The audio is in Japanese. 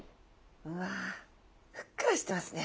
うわふっくらしてますね。